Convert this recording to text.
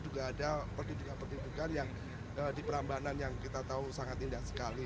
juga ada pendidikan pendidikan yang di perambanan yang kita tahu sangat indah sekali